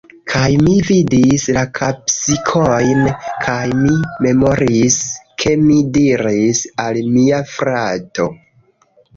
Kaj mi vidis la kapsikojn kaj mi memoris ke mi diris al mia frato: